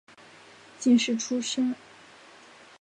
进士出身。